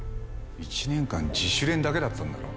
１年間自主練だけだったんだろ？